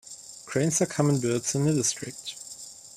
Cranes are common birds in the district.